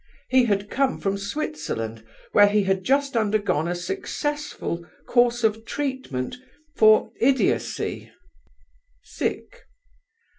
He had come from Switzerland, where he had just undergone a successful course of treatment for idiocy.